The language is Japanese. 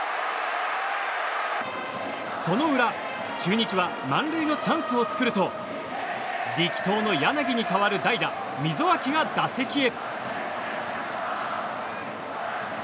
その裏、中日は満塁のチャンスを作ると力投の柳に代わる代打溝脇が打席へ。